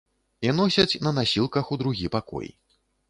І носяць на насілках у другі пакой.